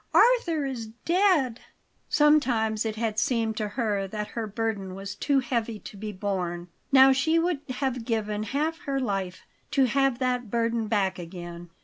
Arthur is dead!" Sometimes it had seemed to her that her burden was too heavy to be borne. Now she would have given half her life to have that burden back again.